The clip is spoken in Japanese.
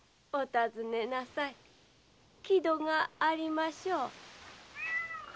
木戸がありましょう？